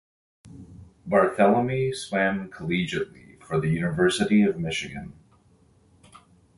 Barthelemy swam collegiately for the University of Michigan.